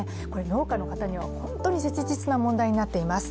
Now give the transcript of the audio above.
農家の方には本当に切実な問題となっています